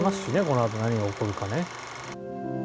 このあと何が起こるかね。